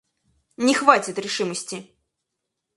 Не хватит решимости.